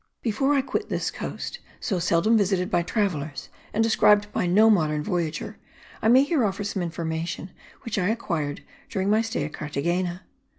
Before I quit this coast, so seldom visited by travellers and described by no modern voyager, I may here offer some information which I acquired during my stay at Carthagena.